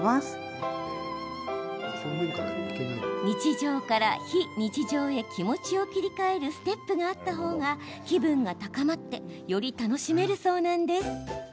日常から非日常へ気持ちを切り替えるステップがあったほうが気分が高まってより楽しめるそうなんです。